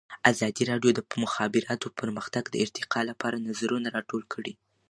ازادي راډیو د د مخابراتو پرمختګ د ارتقا لپاره نظرونه راټول کړي.